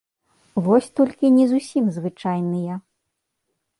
Вось толькі не зусім звычайныя.